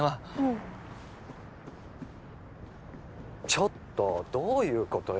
ちょっとどういうことよ！？